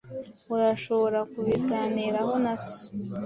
Urashobora kubiganiraho na so.